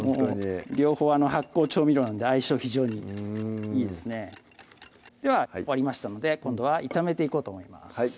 両方発酵調味料なんで相性非常にいいですねでは終わりましたので今度は炒めていこうと思います